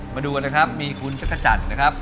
มาดูกันนะครับมีคุณจักรจันทร์นะครับ